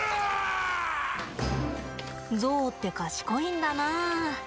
ゾウって賢いんだな。